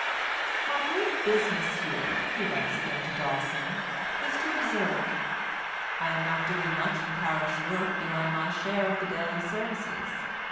"My great business here," he writes again to Dawson, "is to observe. I am not doing much in parish work beyond my share of the daily services.